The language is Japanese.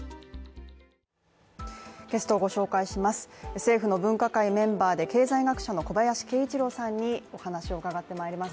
政府の分科会メンバーで経済学者の小林慶一郎さんにお話を伺ってまいります